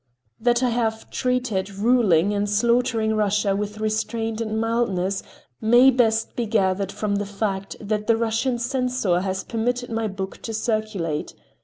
That I have treated ruling and slaughtering Russia with restraint and mildness may best be gathered from the fact that the Russian censor has permitted my book to circulate.